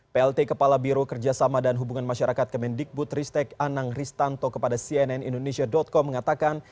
plt kepala biro kerjasama dan hubungan masyarakat kemendikbud ristek anang ristanto kepada cnn indonesia com mengatakan